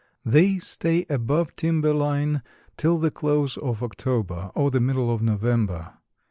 They stay above timber line till the close of October or the middle of November.